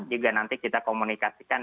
juga nanti kita komunikasikan